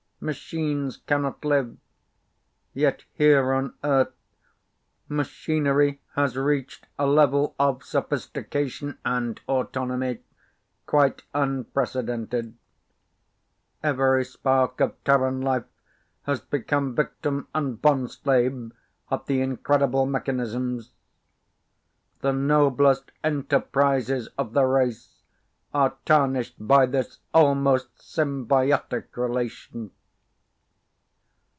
Machines cannot live, yet here on Earth machinery has reached a level of sophistication and autonomy quite unprecedented. Every spark of Terran life has become victim and bondslave of the incredible mechanisms. The noblest enterprises of the race are tarnished by this almost symbiotic relation.